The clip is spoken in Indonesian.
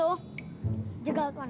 lo jagain tuan